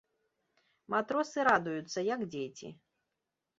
Матросы радуюцца, як дзеці.